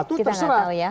kita enggak tahu ya